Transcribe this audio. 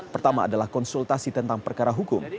pertama adalah konsultasi tentang perkara hukum